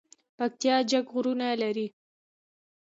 پکتیا جګ غرونه لري